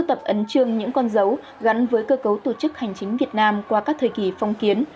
ấn trương những con dấu gắn với cơ cấu tổ chức hành chính việt nam qua các thời kỳ phong kiến